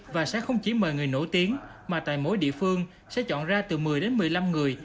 và sẽ không chỉ mời người nổi tiếng mà tại mỗi địa phương sẽ chọn ra từ một mươi đến một mươi năm người